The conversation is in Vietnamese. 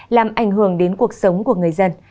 làm ảnh hưởng đến cuộc sống của người dân